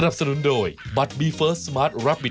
โปรดติดตามตอนต่อไป